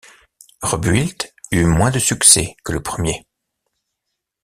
Rebuilt eut moins de succès que le premier.